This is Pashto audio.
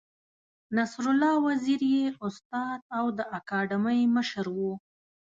نصرالله وزیر یې استاد او د اکاډمۍ مشر و.